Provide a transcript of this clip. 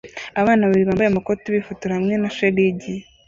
Abana babiri bambaye amakoti bifotora hamwe na shelegi